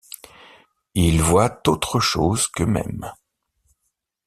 Ils voient autre chose qu’eux-mêmes.